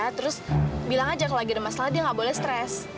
terus bilang aja kalau lagi ada masalah dia nggak boleh stres